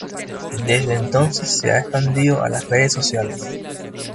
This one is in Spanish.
Desde entonces se ha expandido a las redes sociales.